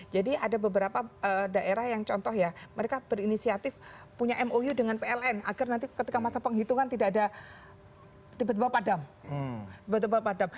jadi ada beberapa daerah yang contoh ya mereka berinisiatif punya mou dengan pln agar nanti ketika masa penghitungan tidak ada tiba tiba padam